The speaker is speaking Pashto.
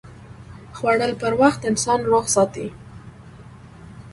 خوړل پر وخت انسان روغ ساتي